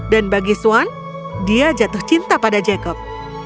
dan bagi swan dia jatuh cinta pada jacob